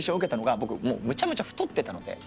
僕むちゃむちゃ太ってたので。